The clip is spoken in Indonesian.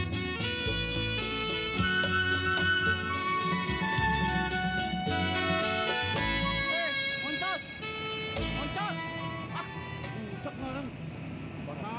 yang selalu bergembiru